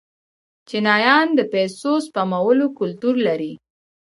چینایان د پیسو سپمولو کلتور لري.